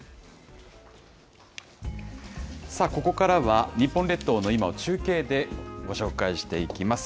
さあ、ここからは日本列島の今を中継でご紹介していきます。